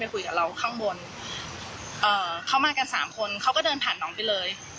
คุยกับเราข้างบนเอ่อเขามากันสามคนเขาก็เดินผ่านน้องไปเลย